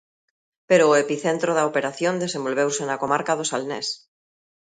Pero o epicentro da operación desenvolveuse na comarca do Salnés.